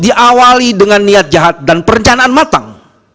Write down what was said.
diawali dengan niat jahat dan perencanaan matang